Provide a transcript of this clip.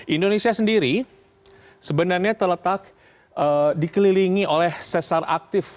indonesia sendiri sebenarnya terletak dikelilingi oleh sesar aktif